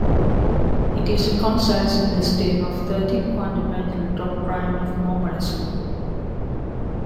It is a concise listing of thirteen fundamental doctrines of Mormonism.